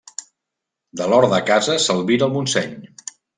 De l'hort de casa s'albira el Montseny.